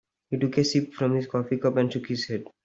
He took a sip from his coffee cup and shook his head.